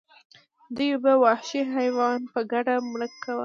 دوی به یو وحشي حیوان په ګډه مړه کاوه.